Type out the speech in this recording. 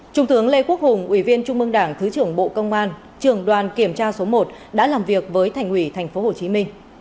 trung tướng lê quốc hùng ủy viên trung mương đảng thứ trưởng bộ công an trường đoàn kiểm tra số một đã làm việc với thành ủy tp hcm